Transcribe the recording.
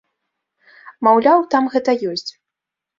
Маўляў, там гэта ёсць.